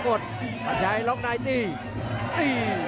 ขวางแขงขวาเจอเททิ้ง